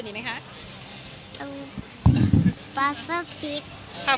แน่ไม่พูดแปลลมหาพ่อ